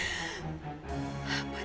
ini ya allah